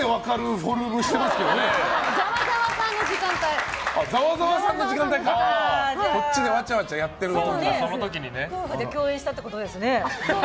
夫婦で共演したってことですね。